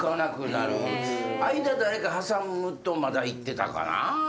間誰か挟むとまだ行ってたかな。